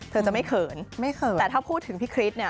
เธอจะไม่เขินแต่ถ้าพูดถึงพี่คริส